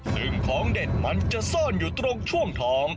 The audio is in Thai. ซึ่งของเด็ดมันจะซ่อนอยู่ตรงช่วงท้อง